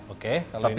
oke kalau ini